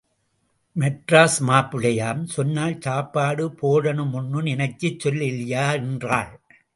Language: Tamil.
மெட்ராஸ் மாப்பிள்ளையாம்... சொன்னால் சாப்பாடு போடணுமுன்னு நினைச்சு சொல்லலியா... என்றாள்.